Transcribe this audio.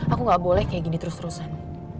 aku gak boleh kayak gini terus terusan